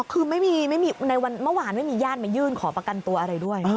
คือในวันเมื่อวานไม่มีญาติมายื่นขอประกันตัวอะไรด้วย